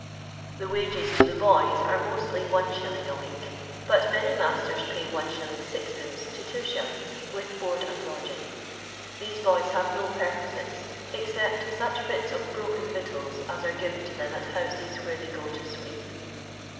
The w<iges to the boys are mostly Is. a week, but many masters }i:iy 1^. 6«/. to 2«., with board and lodging. The^e boys have no perquisites, except such bits of iiroken victuals as are given tu them at houses where they go to sweep.